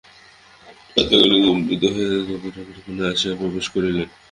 প্রাতঃকালে কম্পিতহৃদয় কবি রণক্ষেত্রে আসিয়া প্রবেশ করিলেন।